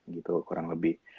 gitu kurang lebih